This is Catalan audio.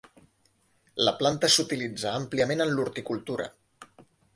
La planta s'utilitza àmpliament en l'horticultura.